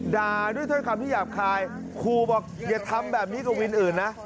ด่าด้วยถ้อยคำที่หยาบคายครูบอกอย่าทำแบบนี้กับวินอื่นนะ